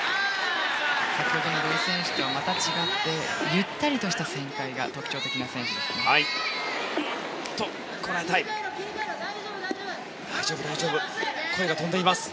先ほどの土井選手とはまた違ってゆったりとした旋回が特徴的な選手です。